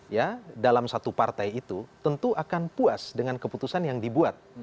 ya dalam satu partai itu tentu akan puas dengan keputusan yang dibuat